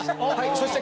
そして」